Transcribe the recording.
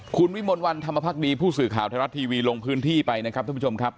คุณวิมลวันธรรมภักดีผู้สื่อข่าวไทยรัฐทีวีลงพื้นที่ไปนะครับท่านผู้ชมครับ